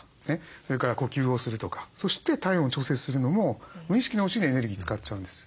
それから呼吸をするとかそして体温を調節するのも無意識のうちにエネルギー使っちゃうんです。